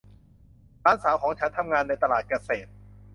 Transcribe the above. หลานสาวของฉันทำงานในตลาดเกษตร